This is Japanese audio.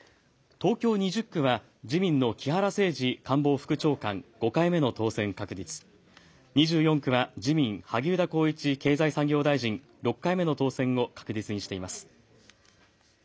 東京２０区は自民の木原誠二官房副長官、５回目の当選確実、２４区は自民、萩生田光一経済産業大臣、６回目の当選を確実にしています。